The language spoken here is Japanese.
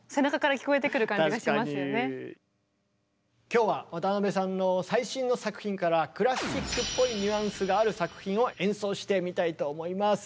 今日は渡辺さんの最新の作品からクラシックっぽいニュアンスがある作品を演奏してみたいと思います。